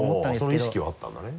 あぁその意識はあったんだね。